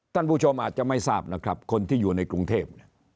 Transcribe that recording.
ท่านผู้ชมอาจจะไม่ทราบนะครับคนที่อยู่ในกรุงเทพ